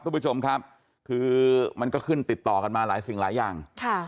คุณผู้ชมครับคือมันก็ขึ้นติดต่อกันมาหลายสิ่งหลายอย่าง